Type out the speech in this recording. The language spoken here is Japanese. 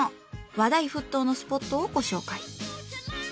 話題沸騰のスポットをご紹介。